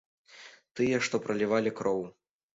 Тыя, што пралівалі кроў.